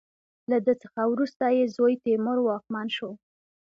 له ده څخه وروسته یې زوی تیمور واکمن شو.